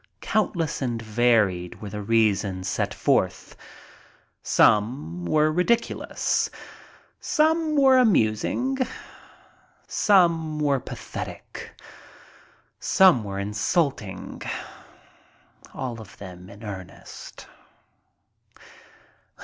Countless and varied were the reasons set forth. Some were ridiculous. Some were amusing. Some were pathetic. Some were insulting. All of them in earnest.